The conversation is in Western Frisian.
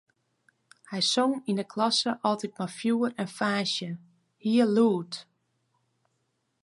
Hy song yn 'e klasse altyd mei fjoer en faasje, hiel lûd.